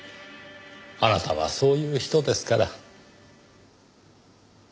あなたはそういう人ですから。